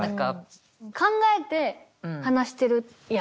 考えて話してるやん多分。